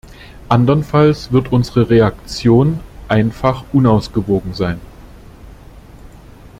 Anderenfalls wird unsere Reaktion einfach unausgewogen sein.